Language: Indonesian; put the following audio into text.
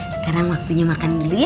sekarang waktunya makan dulu ya